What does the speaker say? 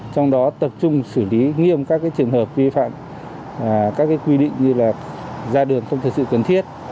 trong đó tập trung xử lý nghiêm các trường hợp vi phạm các quy định như là ra đường không thực sự cần thiết